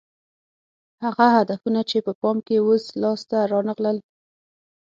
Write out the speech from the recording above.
هغه هدفونه چې په پام کې وو لاس ته رانه غلل